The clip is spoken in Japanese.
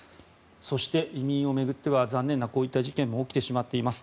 そして移民を巡っては残念な事件も起きてしまっています。